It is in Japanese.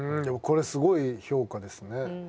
これすごい評価ですね。